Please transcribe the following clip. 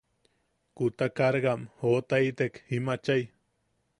Kuta cargam joʼotaitek im achai.